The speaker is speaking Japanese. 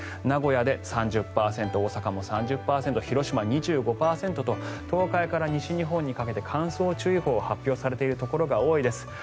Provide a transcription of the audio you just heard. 名古屋で３０％、大阪も３０％広島、２５％と東海から西日本にかけて乾燥注意報が発表されているところが多いです。